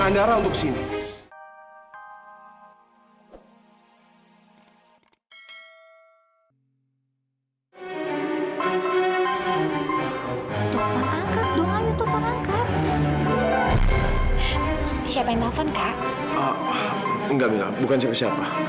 enggak mila bukan siapa siapa